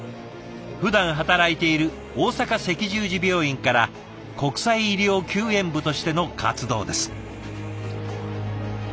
ふだん働いている大阪赤十字病院から国際医療救援部としての活動です。